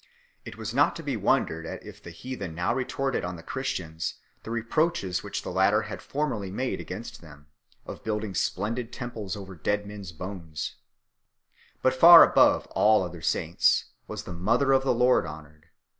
It was not to be wondered at if the heathen 1 now retorted on the Christians the reproaches which the latter had formerly made against them, of building splendid temples over dead men s bones 2 . But far above all other saints was the Mother of the Lord honoured.